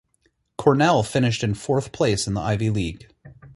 Cornell finished in fourth place in the Ivy League.